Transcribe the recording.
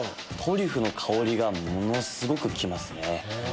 トリュフの香りがものすごく来ますね。